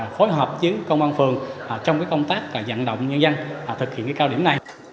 phối hợp với công an phường trong công tác dẫn động nhân dân thực hiện cao điểm này